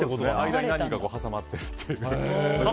間に何人か挟まっているという。